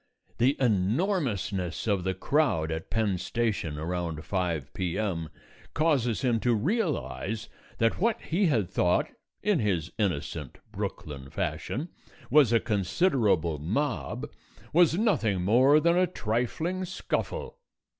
The enormousness of the crowd at Penn Station around 5 P.M. causes him to realize that what he had thought, in his innocent Brooklyn fashion, was a considerable mob, was nothing more than a trifling scuffle.